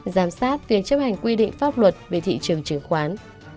giám sát việc chấp hành quy định pháp luật về thị trường chứng khoán